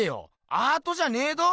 アートじゃねぇど。